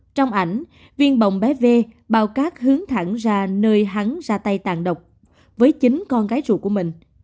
trong ảnh viên bồng bé v bao cát hướng thẳng ra nơi hắn ra tay tàn độc với chính con gái ruột của mình